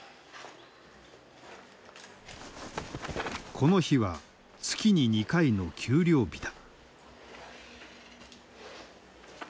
この日は月に２回の給料日だ。